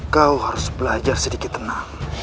kau harus belajar sedikit tenang